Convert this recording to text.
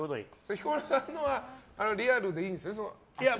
彦摩呂さんのはリアルでいいんですね。